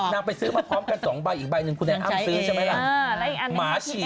ก็ไปซื้อสองใบไง